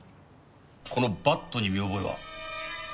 このバットに見覚えは？